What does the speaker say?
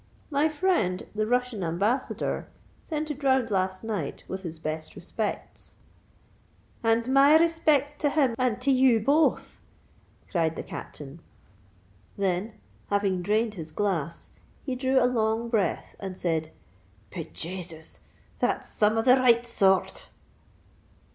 "My friend the Russian Ambassador sent it round last night, with his best respects——" "And my respects to him and to you both!" cried the Captain: then, having drained his glass, he drew a long breath, and said, "Be Jasus! that's some of the right sor rt!"